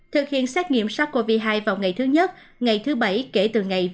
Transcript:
thực hiện xét nghiệm sars cov hai vào ngày thứ nhất ngày thứ bảy kể từ ngày